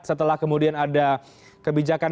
setelah kemudian ada kebijakan